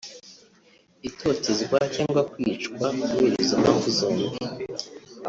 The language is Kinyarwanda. itotezwa cyangwa kwicwa kubera izo mpamvu zombi